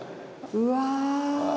うわ。